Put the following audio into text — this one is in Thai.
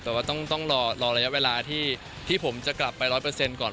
แต่ว่าต้องรอระยะเวลาที่ผมจะกลับไปร้อยเปอร์เซ็นต์ก่อน